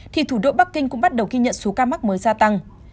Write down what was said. thì thủ đô bắc kinh cũng bắt đầu ghi nhận số ca mắc mới gia tăng